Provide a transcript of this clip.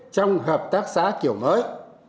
trong hợp tác xã kiểu mới